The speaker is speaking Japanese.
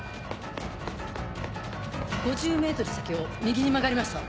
５０ｍ先を右に曲がりました。